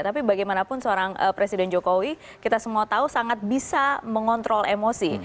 tapi bagaimanapun seorang presiden jokowi kita semua tahu sangat bisa mengontrol emosi